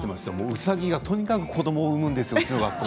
うさぎがよく子どもを産むんですよ。